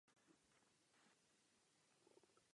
Dám vám jeden příklad.